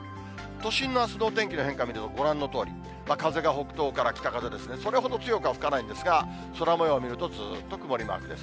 都心のあすのお天気の変化見ると、ご覧のとおり、風が北東から北風ですね、それほど強くは吹かないんですが、空もようを見るとずっと曇りマークです。